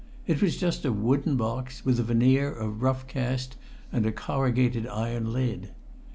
It was just a wooden box with a veneer of rough cast and a corrugated iron lid.